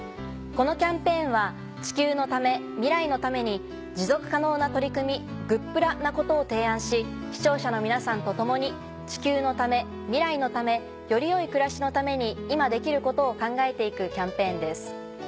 このキャンペーンは地球のため未来のために持続可能な取り組みグップラなことを提案し視聴者の皆さんと共に地球のため未来のためより良い暮らしのために今できることを考えて行くキャンペーンです。